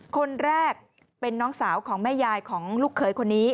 คนแรกเป็นน้องสาวของแม่ยายของลูกเขยคนนี้